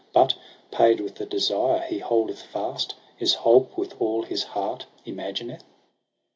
But, paid with the desire he holdeth fast. Is holp with all his heart imagineth